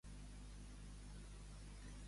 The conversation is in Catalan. Per què va haver de baixar Ixtar a l'inframon?